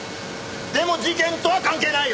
でも事件とは関係ないよ！